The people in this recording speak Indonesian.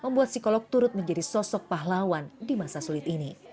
tapi kemudian perempuan psikolog turut menjadi sosok pahlawan di masa sulit ini